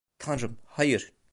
Tanrım, hayır!